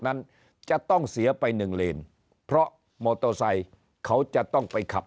นั้นจะต้องเสียไป๑เลนเพราะโมโตไซค์เขาจะต้องไปขับ